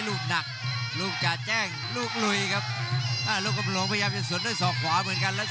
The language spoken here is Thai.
ลูกกำลวงกับโตครับ